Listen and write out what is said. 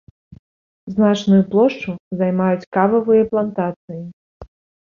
Значную плошчу займаюць кававыя плантацыі.